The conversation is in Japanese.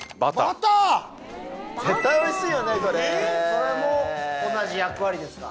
それも同じ役割ですか？